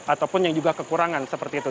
ataupun yang juga kekurangan seperti itu